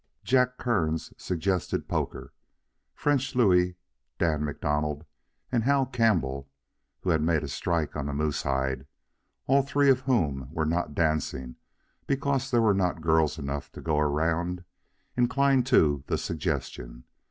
Jack Kearns suggested poker. French Louis, Dan MacDonald, and Hal Campbell (who had make a strike on Moosehide), all three of whom were not dancing because there were not girls enough to go around, inclined to the suggestion.